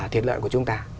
thịt lợn của chúng ta